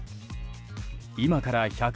今から１１０年